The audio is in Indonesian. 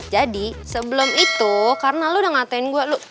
jadi sebelum itu karena lo udah ngatain gua lo